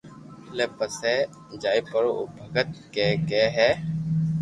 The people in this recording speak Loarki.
لي پسي جائي پرو او ڀگت ڪي ڪي ھي